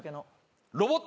ロボット